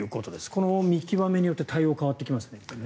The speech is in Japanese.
この見極めによって対応が変わってきますね。